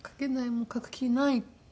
もう書く気ない」って。